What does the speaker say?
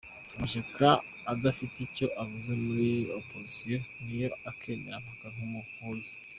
Amashyaka adafite icyo avuze muri opozisiyo niyo akemera Mkapa nk’umuhuza.